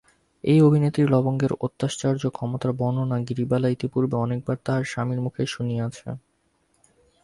এই অভিনেত্রী লবঙ্গের অত্যাশ্চর্য ক্ষমতার বর্ণনা গিরিবালা ইতিপূর্বে অনেকবার তাহার স্বামীর মুখেই শুনিয়াছে।